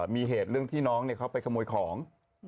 มีเหตุเรื่องที่น้องเขาไปขโมยของ